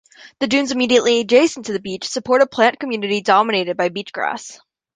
The dunes immediately adjacent to the beach support a plant community dominated by beachgrass.